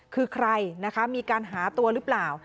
คือใครนะคะมีการหาตัวหรือเปล่า